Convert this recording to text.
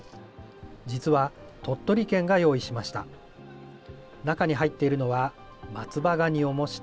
実は鳥取県が用意しました。